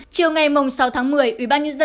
chiều ngày sáu tháng một mươi ubnd